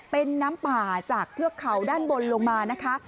เป็นน้ำป่าจากเทือกเขาด้านบนลงมานะคะ